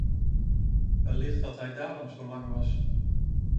Wellicht dat hij daarom zo lang was.